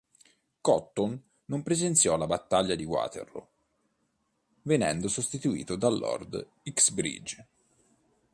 Cotton non presenziò alla Battaglia di Waterloo, venendo sostituito da Lord Uxbridge.